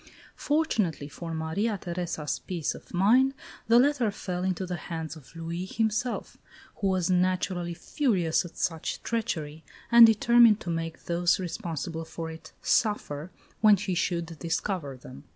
Fortunately for Maria Theresa's peace of mind the letter fell into the hands of Louis himself, who was naturally furious at such treachery and determined to make those responsible for it suffer when he should discover them.